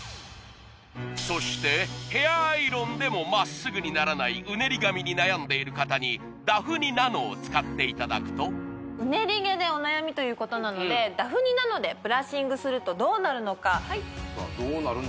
そしてヘアアイロンでもまっすぐにならないうねり髪に悩んでいる方にダフニｎａｎｏを使っていただくとうねり毛でお悩みということなのでダフニｎａｎｏでブラッシングするとどうなるのかどうなるの？